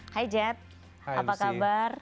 hai jet apa kabar